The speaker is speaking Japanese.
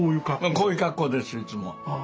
こういう格好ですいつも。